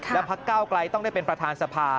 แล้วพักเก้าไกลต้องได้เป็นประธานสภา